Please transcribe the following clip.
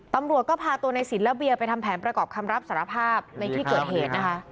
ตำรวจก็พาตัวในสินและเบียร์ไปทำแผนประกอบคำรับสารภาพในที่เกิดเหตุนะคะ